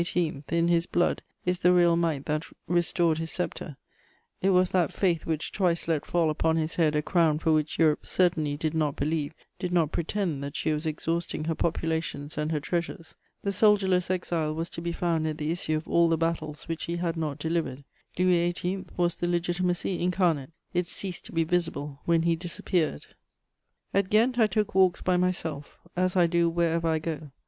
in his blood is the real might that restored his sceptre; it was that faith which twice let fall upon his head a crown for which Europe certainly did not believe, did not pretend that she was exhausting her populations and her treasures. The soldier less exile was to be found at the issue of all the battles which he had not delivered. Louis XVIII. was the Legitimacy incarnate; it ceased to be visible when he disappeared. * At Ghent, I took walks by myself, as I do wherever I go.